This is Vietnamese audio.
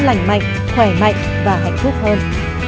lành mạnh khỏe mạnh và hạnh phúc hơn